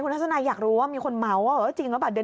ทัศนายอยากรู้ว่ามีคนเมาส์ว่าจริงหรือเปล่า